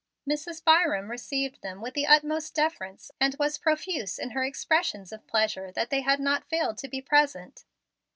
Mrs. Byram received them with the utmost deference, and was profuse in her expressions of pleasure that they had not failed to be present.